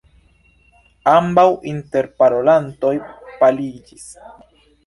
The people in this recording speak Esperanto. Ambaŭ interparolantoj paliĝis.